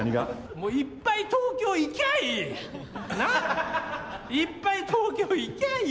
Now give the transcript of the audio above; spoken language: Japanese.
もういっぱい東京、いきゃいい！